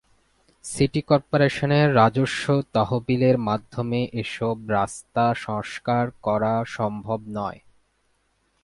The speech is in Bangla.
সিটি করপোরেশনের রাজস্ব তহবিলের মাধ্যমে এসব রাস্তা সংস্কার করা সম্ভব নয়।